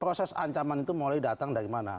proses ancaman itu mulai datang dari mana